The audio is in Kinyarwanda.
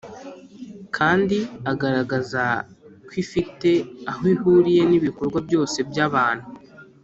kandi agaragaza ko ifite aho ihuriye n’ibikorwa byose by’abantu.